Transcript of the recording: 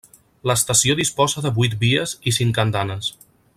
L'estació disposa de vuit vies i cinc andanes.